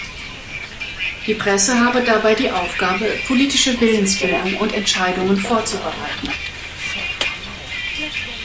Die Presse habe dabei die Aufgabe, politische Willensbildung und Entscheidungen vorzubereiten.